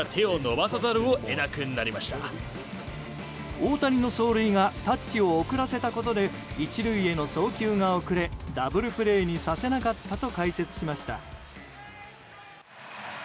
大谷の走塁がタッチを遅らせたことで１塁への送球が遅れダブルプレーにさせなかったと解説しました。